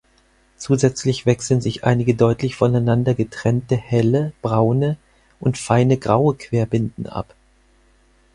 Zusätzlich wechseln sich einige deutlich voneinander getrennte helle, braune und feine graue Querbinden ab.